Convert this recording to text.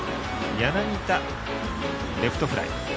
柳田、レフトフライ。